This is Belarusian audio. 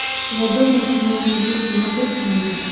Вядома ж, можна будзе набыць кнігу.